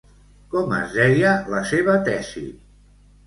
Com es deia la seva tesi?